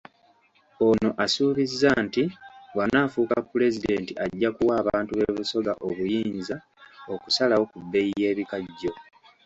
Ono asuubizza nti bw'anaafuuka Pulezidenti ajja kuwa abantu b'e Busoga obuyinza okusalawo ku bbeeyi y'ebikajjo.